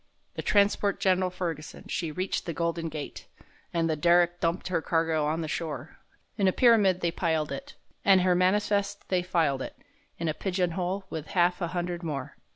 The transport Gen'ral Ferguson, she reached the Golden Gate, An' the derrick dumped her cargo on the shore; In a pyramid they piled it—and her manifest they filed it, In a pigeon hole with half a hundred more.